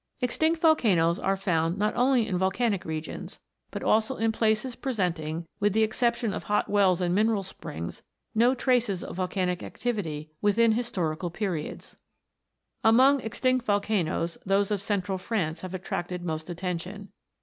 Extinct volcanoes are found not only in volcanic x 306 PLUTO'S KINGDOM. regions, but also in places presenting, with the ex ception of hot wells and mineral springs, no traces of volcanic activity within historical periods. Among extinct volcanoes those of central France have attracted most attention.